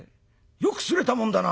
よくすれたもんだな」。